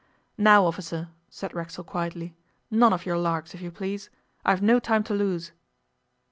'Now, officer,' said Racksole quietly, 'none of your larks, if you please. I've no time to lose.